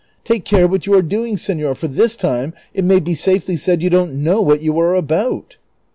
Take care Avhat you are doing, senor, for this time it may be safely said you don't know Avhat you are about."